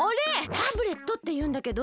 タブレットっていうんだけど。